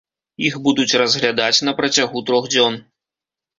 Іх будуць разглядаць на працягу трох дзён.